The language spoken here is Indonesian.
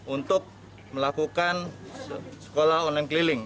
untuk melakukan sekolah online keliling